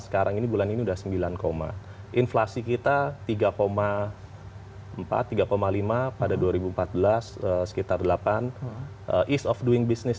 sekarang ini bulan ini udah sembilan inflasi kita tiga empat tiga lima pada dua ribu empat belas sekitar delapan ease of doing business